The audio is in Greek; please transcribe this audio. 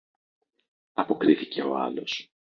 αποκρίθηκε ο άλλος.